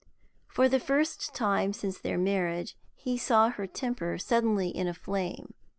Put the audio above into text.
For the first time since their marriage he saw her temper suddenly in a flame.